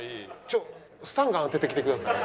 ちょスタンガン当ててきてください。